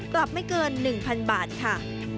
ปรับไม่เกิน๑๐๐๐บาทค่ะ